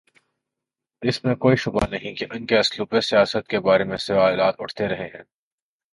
اس میں کوئی شبہ نہیں کہ ان کے اسلوب سیاست کے بارے میں سوالات اٹھتے رہے ہیں۔